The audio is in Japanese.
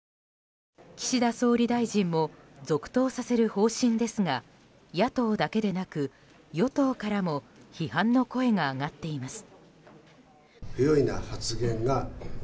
岸田総理大臣も続投させる方針ですが野党だけでなく与党からも批判の声が上がっています。